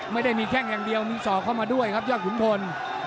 ไม่ได้มีแข้งอย่างเดียวมีศอกเข้ามาด้วยครับยอดขุนพล